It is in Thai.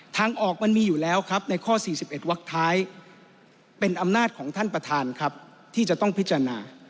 ทางออกมันมีอยู่แล้วครับในข้อ๔๑วักท้ายเป็นอำนาจของท่านประธานครับที่จะต้องพิจารณา